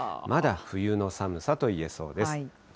まだ冬の寒さと言えそうです。